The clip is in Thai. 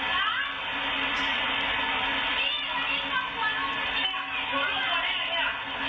ก็คือถาของมีแรงไปให้อวกเมริกหา